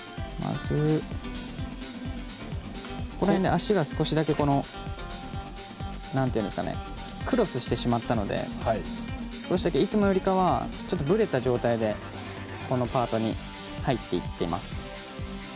足が少しだけクロスしてしまったので少しだけ、いつもよりかはちょっとぶれた状態でこのパートに入っていっています。